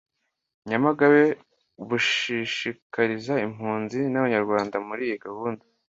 Nyamagabe bushishikariza impunzi n’abanyarwanda muri iyi gahunda